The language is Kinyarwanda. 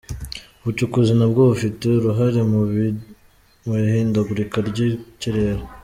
Ubucukuzi na bwo bufite uruhare mu ihindagurika ry’ikirere